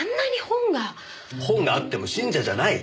本があっても信者じゃない！